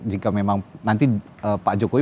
jika memang nanti pak jokowi